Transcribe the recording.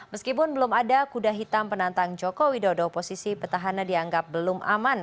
meskipun belum ada kuda hitam penantang jokowi dodo posisi petahannya dianggap belum aman